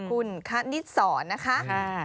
คุณฆานิสรนะคะ